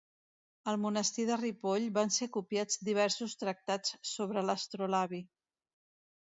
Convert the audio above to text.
Al monestir de Ripoll van ser copiats diversos tractats sobre l’astrolabi.